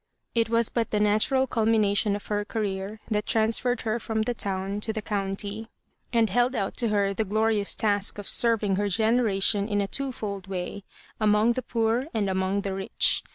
It was but the natural cuhninatlon of her career that transferred her from the town to the County, and held out to her the gloripus task of serving her generation in a twofold way, among the poor and among the rich.